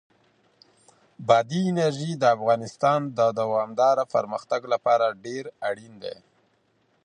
بادي انرژي د افغانستان د دوامداره پرمختګ لپاره ډېر اړین دي.